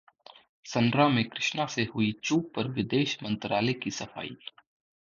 संरा में कृष्णा से हुई चूक पर विदेश मंत्रालय की सफाई